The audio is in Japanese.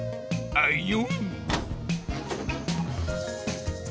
あいよ。